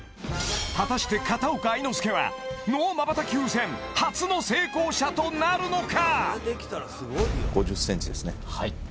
果たして片岡愛之助はＮＯまばたき風船初の成功者となるのか？